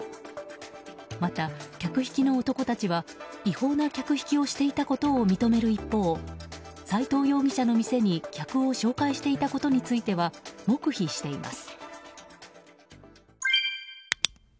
また、客引きの男たちは違法な客引きをしていたことを認める一方、斎藤容疑者の店に客を紹介していたことについては黙秘しています。